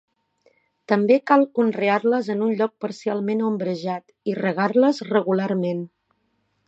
També cal conrear-les en un lloc parcialment ombrejat i regar-les regularment.